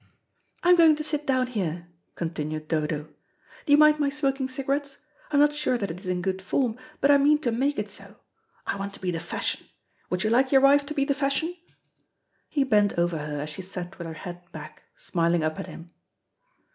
"I'm going to sit down here," continued Dodo. "Do you mind my smoking cigarettes? I'm not sure that it is in good form, but I mean to make it so. I want to be the fashion. Would you like your wife to be the fashion?" He bent over her as she sat with her head back, smiling up at him.